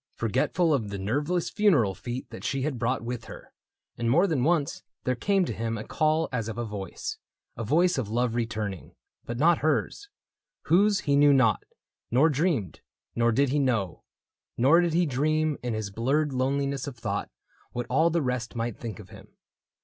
Forgetful of the nerveless funeral feet That she had brought with her; and more than once There came to him a call as of a voice — A voice of love returning — but not hers. Whose he knew not, nor dreamed ; nor did he know. Nor did he dream, in his blurred loneliness Of thought, what all the rest might think of him.